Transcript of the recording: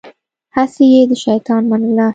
هسې يې د شيطان منله.